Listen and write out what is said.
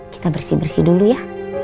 kita bersih bersih dulu ya